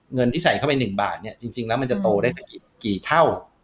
เงินที่ใส่เข้าไป๑บาทเนี่ยจริงแล้วมันจะโตได้กี่เท่า